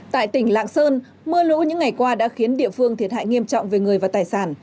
tại tỉnh lạng sơn mưa lũ những ngày qua đã khiến địa phương thiệt hại nghiêm trọng về người và tài sản